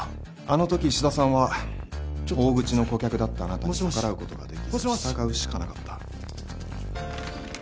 あのとき石田さんは大口の顧客だったあなたに逆らうことができず従うしかなかった。